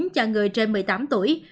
cho người trên một mươi tám tuổi